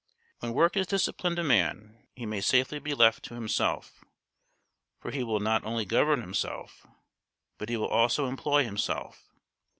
When work has disciplined a man, he may safely be left to himself; for he will not only govern himself, but he will also employ himself.